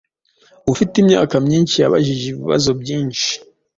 ufite imyaka myinshi yabajije ibibazo byinshi